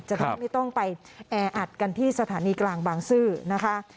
จะได้ไม่ต้องไปแออัดกันที่สถานีกลางบางซื่อนะคะ